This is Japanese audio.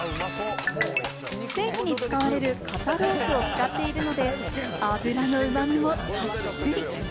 ステーキに使われる肩ロースを使っているので、脂のうま味もたっぷり。